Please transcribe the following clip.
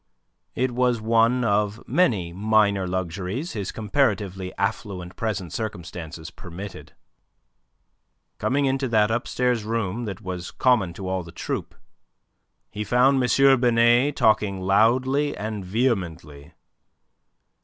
It was one of many minor luxuries his comparatively affluent present circumstances permitted. Coming into that upstairs room that was common to all the troupe, he found M. Binet talking loudly and vehemently.